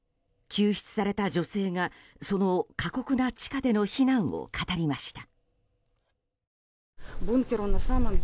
救出された女性がその過酷な地下での避難を語りました。